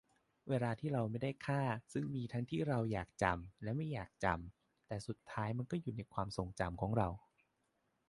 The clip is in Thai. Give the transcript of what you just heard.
เวลาที่เราไม่ได้ฆ่า ซึ่งมีทั้งที่เราอยากจำและไม่อยากจำ แต่สุดท้ายมันก็อยู่ในความทรงจำของเรา